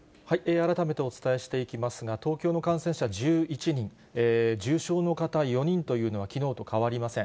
改めてお伝えしていきますが、東京の感染者１１人、重症の方４人というのは、きのうと変わりません。